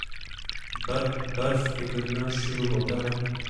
برف پگھلنا شروع ہوتا ہے